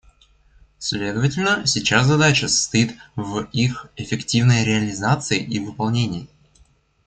Следовательно, сейчас задача состоит в их эффективной реализации и выполнении.